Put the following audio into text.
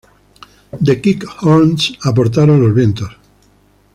The Kick Horns aportaron los vientos.